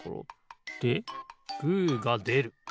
でグーがでる。